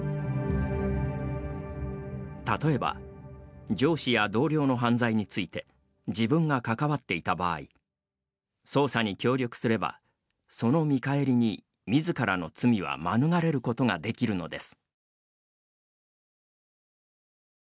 例えば上司や同僚の犯罪について自分が関わっていた場合捜査に協力すればその見返りに、みずからの罪は免れることができるのです。